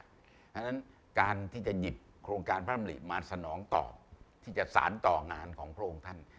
เพราะฉะนั้นการที่จะหยิบโครงการพระอำริมาสนองตอบที่จะสารต่องานของพระองค์ท่าน